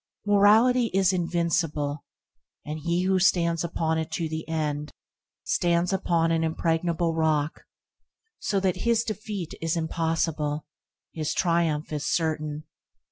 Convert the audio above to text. Morality is invincible, and he who stands upon it to the end, stands upon an impregnable rock, so that his defeat is impossible, his triumph certain.